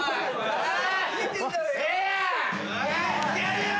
いってやるよ！